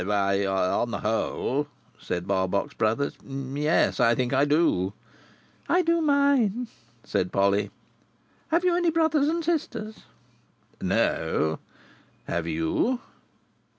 "Why, on the whole," said Barbox Brothers, "yes, I think I do." "I do mine," said Polly. "Have you any brothers and sisters?" "No. Have you?"